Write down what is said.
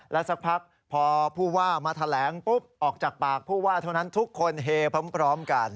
สักพักพอผู้ว่ามาแถลงปุ๊บออกจากปากผู้ว่าเท่านั้นทุกคนเฮพร้อมกัน